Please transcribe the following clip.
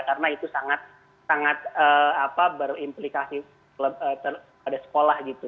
karena itu sangat berimplikasi pada sekolah gitu